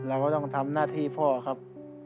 เราก็ต้องทำหน้าที่พ่อครับ